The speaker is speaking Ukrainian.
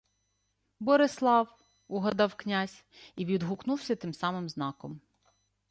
— Борислав! — угадав князь і відгукнувся тим самим знаком.